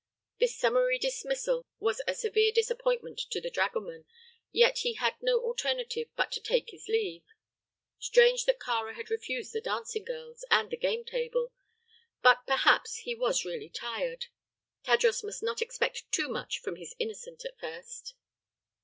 This summary dismissal was a severe disappointment to the dragoman, yet he had no alternative but to take his leave. Strange that Kāra had refused the dancing girls and the game table; but perhaps he was really tired. Tadros must not expect too much from his innocent at first.